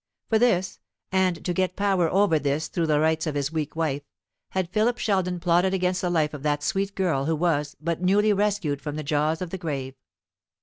For this, and to get power over this through the rights of his weak wife, had Philip Sheldon plotted against the life of that sweet girl who was but newly rescued from the jaws of the grave.